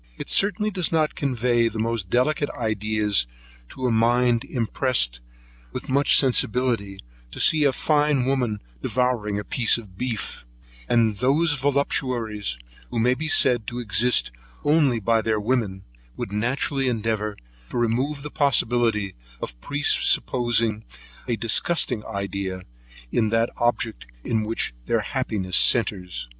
It certainly does not convey the most delicate ideas, to a mind impressed with much sensibility, to see a fine woman devouring a piece of beef; and those voluptuaries, who may be said to exist only by their women, would naturally endeavour to remove the possibility of presupposing a disgusting idea in that object in which all their happiness centres.